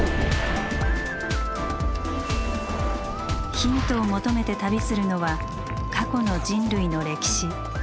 ヒントを求めて旅するのは過去の人類の歴史。